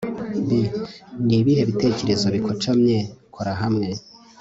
b Ni ibihe bitekerezo bikocamye Kora hamwe